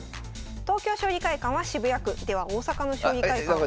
東京将棋会館は渋谷区では大阪の将棋会館。